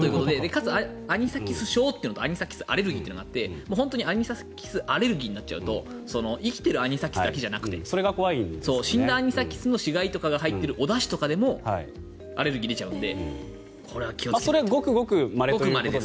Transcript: かつ、アニサキス症とアニサキスアレルギーというのがあって本当にアニサキスアレルギーになっちゃうと生きているアニサキスだけじゃなくて死んだアニサキスの死骸とかが入っているおだしとかでもアレルギーが出ちゃうのでこれは気をつけないと。